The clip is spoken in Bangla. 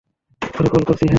পরে কল করছি, হ্যাঁ।